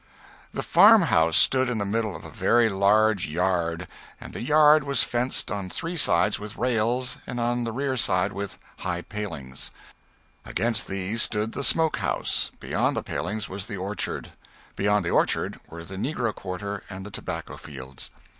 The farmhouse stood in the middle of a very large yard, and the yard was fenced on three sides with rails and on the rear side with high palings; against these stood the smokehouse; beyond the palings was the orchard; beyond the orchard were the negro quarter and the tobacco fields.